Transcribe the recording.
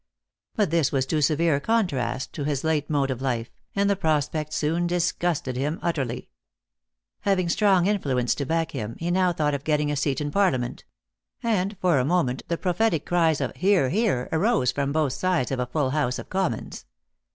But this was too severe a contrast to his late mode of life, and the prospect soon disgusted him utterly. Having strong influence to back him, he now thought of getting a seat in Parliament, and for a moment the 408 THE ACTEESS IN HIGH LIFE. prophetic cries of Hear ! hear ! arose from both sides of a full House of Commons.